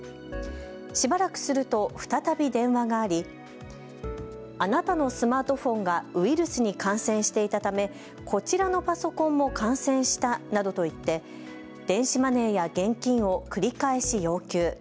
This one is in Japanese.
しばらくすると再び電話がありあなたのスマートフォンがウイルスに感染していたためこちらのパソコンも感染したなどと言って電子マネーや現金を繰り返し要求。